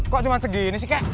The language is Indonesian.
kok cuma segini sih kak